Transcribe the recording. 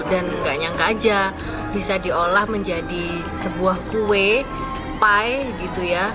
dan nggak nyangka aja bisa diolah menjadi sebuah kue pai gitu ya